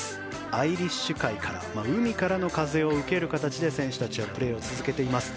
アイリッシュ海から海からの風を受ける形で選手たちはプレーを続けています。